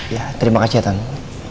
ya terima kasih ya tante